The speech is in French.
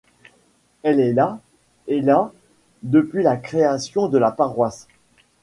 Elle est la et la depuis la création de la paroisse.